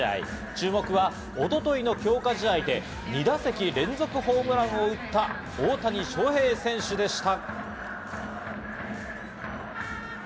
注目は一昨日の強化試合で、２打席連続のホームランを打った大谷翔平選手でした。